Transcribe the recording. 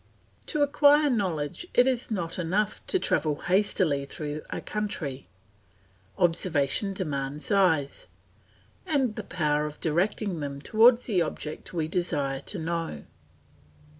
To acquire knowledge it is not enough to travel hastily through a country. Observation demands eyes, and the power of directing them towards the object we desire to know.